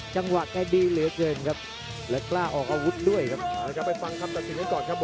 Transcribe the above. แต่ในช่วงปลายยกก่อนหมดเวลาไม่กี่สิบวินาทีครับ